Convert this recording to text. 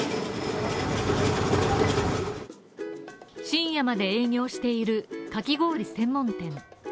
深夜まで営業しているかき氷専門店。